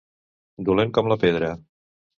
Dolent com la pedra.